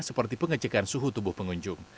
seperti pengecekan suhu tubuh pengunjung